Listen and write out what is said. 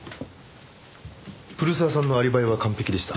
古澤さんのアリバイは完璧でした。